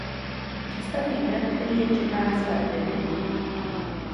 Představují trh, který jen čeká na své objevení.